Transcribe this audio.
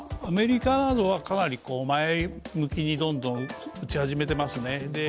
アメリカなどはかなり前向きにどんどん打ち始めてますね。